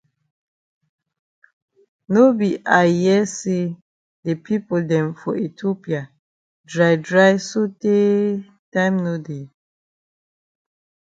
No be I hear say the pipo dem for Ethiopia dry dry so tey time no dey.